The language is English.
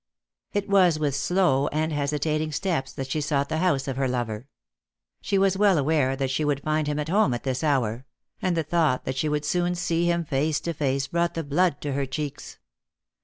It was with slow and hesitating steps that she sought the house of her lover. She was well aware that she would find him at home at this hour; and the thought that she would soon see him face to face brought the blood to her cheeks.